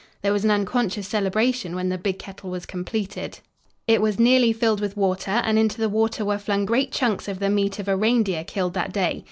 There was an unconscious celebration when the big kettle was completed. It was nearly filled with water, and into the water were flung great chunks of the meat of a reindeer killed that day.